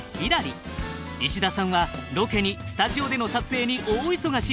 石田さんはロケにスタジオでの撮影に大忙し。